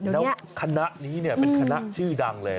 แล้วคณะนี้เป็นคณะชื่อดังเลย